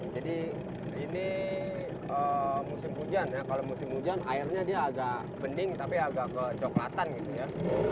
ini musim hujan ya kalau musim hujan airnya dia agak bening tapi agak kecoklatan gitu ya